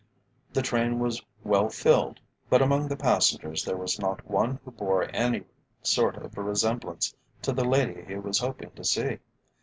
The train was well filled, but among the passengers there was not one who bore any sort of resemblance to the lady he was hoping to see.